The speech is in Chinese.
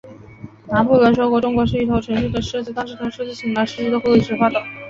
拿破仑说过，中国是一头沉睡的狮子，当这头睡狮醒来时，世界都会为之发抖。